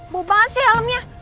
bau banget sih helmnya